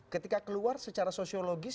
ketika keluar secara sosiologis